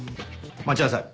待ちなさい。